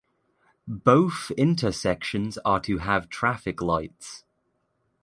Both intersections are to have traffic lights.